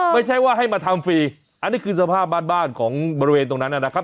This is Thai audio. ไม่ใช่ว่าให้มาทำฟรีอันนี้คือสภาพบ้านบ้านของบริเวณตรงนั้นนะครับ